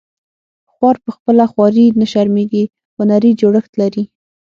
خوار په خپله خواري نه شرمیږي هنري جوړښت لري